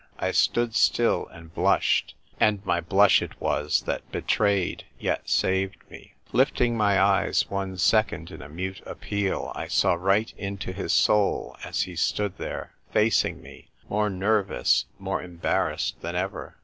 I stood still and blushed ; and my blush it was that betrayed, yet saved me. Lifting my eyes one second in a mute appeal, I saw right into his soul as he stood there, facing me, more nervous, more em barrassed than ever.